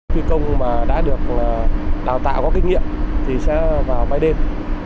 phi công mà đã được đào tạo có kinh nghiệm thì sẽ vào bay đêm